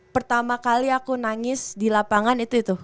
pertama kali aku nangis di lapangan itu itu